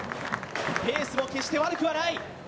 ペースも決して悪くない。